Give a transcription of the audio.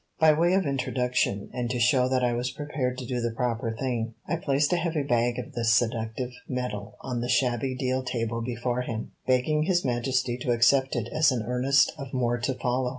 By way of introduction, and to show that I was prepared to do the proper thing, I placed a heavy bag of the seductive metal on the shabby deal table before him, begging His Majesty to accept it as an earnest of more to follow.